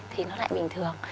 thì nó lại bình thường